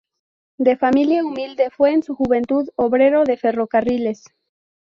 De familia humilde fue en su juventud obrero de ferrocarriles.